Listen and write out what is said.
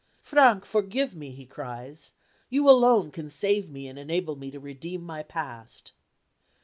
"Frank, forgive me," he cries. "You alone can save me and enable me to redeem my past."